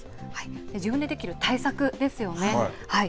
自分でできる対策ですよね。